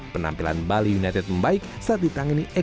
penampilan bali united membaik saat ditangani al qaeda